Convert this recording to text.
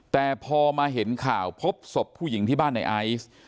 แต่พอมาเห็นข่าวพบศพผู้หญิงที่บ้านในไอซ์